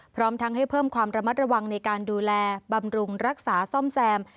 พร้อมทั้งให้เพิ่มความระมัดระวังในการดูแลบำรุงรักษาซ่อมแซม